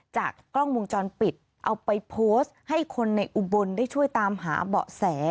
จากกล้องวงจรปิดเอาไปโพสต์ให้คนในอุบลได้ช่วยตามหาเบาะแส